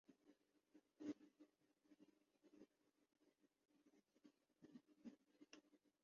پاکستانی نژاد امریکی نے ویمبلے اسٹیڈیم خریدنے پر نظریں مرکوز کر لیں